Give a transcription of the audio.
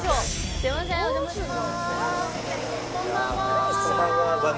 すいませんお邪魔しまーす。